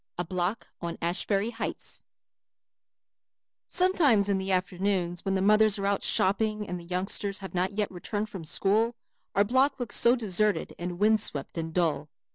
A Block on Ashbury Heights Sometimes in the afternoons when the mothers are out shopping and the youngsters have not yet returned from school our block looks so deserted and wind swept and dull.